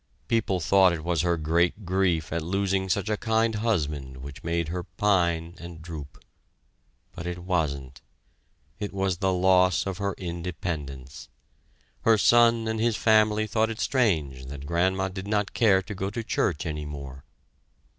People thought it was her great grief at losing such a kind husband which made her pine and droop. But it wasn't. It was the loss of her independence. Her son and his family thought it strange that "Grandma" did not care to go to church any more.